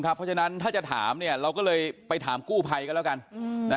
เพราะฉะนั้นถ้าจะถามเนี่ยเราก็เลยไปถามกู้ภัยกันแล้วกัน